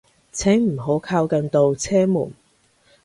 請唔好靠近度車門